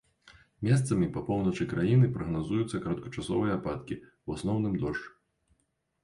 Месцамі па поўначы краіны прагназуюцца кароткачасовыя ападкі, у асноўным дождж.